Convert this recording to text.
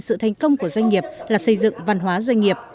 sự thành công của doanh nghiệp là xây dựng văn hóa doanh nghiệp